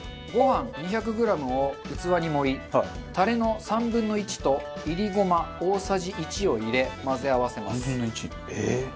ご飯２００グラムを器に盛りタレの３分の１と煎りごま大さじ１を入れ混ぜ合わせます。